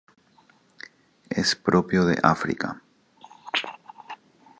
Es propio de África.